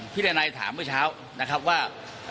ดันัยถามเมื่อเช้านะครับว่า